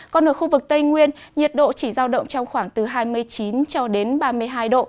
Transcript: còn ở khu vực tây nguyên nhiệt độ chỉ giao động trong khoảng từ hai mươi chín cho đến ba mươi hai độ